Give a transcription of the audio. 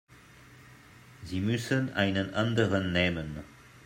Sie müssen einen anderen nehmen.